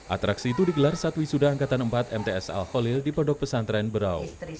atraksi itu digelar saat wisuda angkatan empat mts al kholil di pondok pesantren berau